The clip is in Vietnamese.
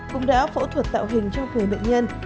cũng đã phẫu thuật tạo hình cho vừa bệnh nhân